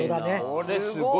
これすごい。